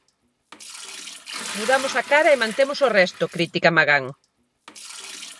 Mudamos a cara e mantemos o resto, critica Magán.